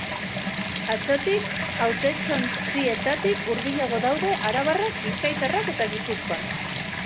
Atzotik, hautetsontzietatik hurbilago daude arabarrak, bizkaitarrak eta gipuzkoarrak.